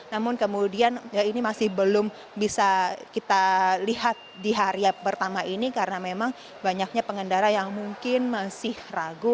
namun kemudian ini masih belum bisa kita lihat di hari pertama ini karena memang banyaknya pengendara yang mungkin masih ragu